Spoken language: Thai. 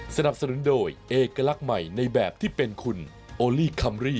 สนับสนุนโดยเอกลักษณ์ใหม่ในแบบที่เป็นคุณโอลี่คัมรี่